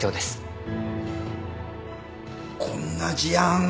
こんな事案